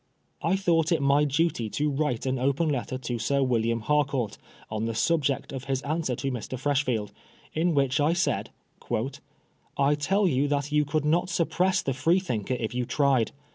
I thought it my duty to write an open letter to Sir William Harcourt on the subject of his answer to Mr. Freshfield, in which I said—" I tell you that you could not suppress the Freethinker if you tried.